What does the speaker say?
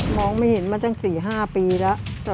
ไม่เห็นมาตั้ง๔๕ปีแล้ว